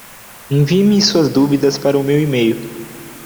Envie-me suas dúvidas para o meu e-mail.